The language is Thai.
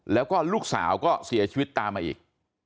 แล้วก็ลูกสาวก็เสียชีวิตตามมาอีก